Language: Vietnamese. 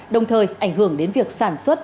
đồng thời ảnh hưởng đến việc sản xuất